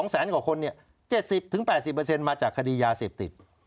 แสนกว่าคน๗๐๘๐มาจากคดียาเสพติด